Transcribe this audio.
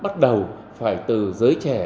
bắt đầu phải từ giới trẻ